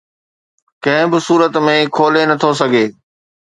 ڪنهن به صورت ۾ کولي نه ٿو سگهي